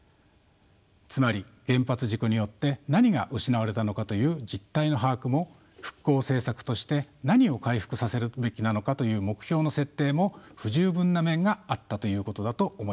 つまり原発事故によって何が失われたのかという実態の把握も復興政策として何を回復させるべきなのかという目標の設定も不十分な面があったということだと思います。